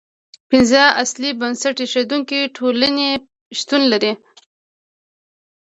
پنځه اصلي بنسټ ایښودونکې ټولنې شتون لري.